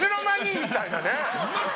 みたいな。